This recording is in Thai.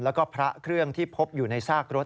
แล้วก็พระเครื่องที่พบอยู่ในซากรถ